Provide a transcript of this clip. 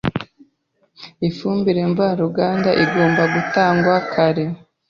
Ifumbire mvaruganda igomba gutangwa kare